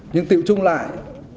nhưng tự trung lại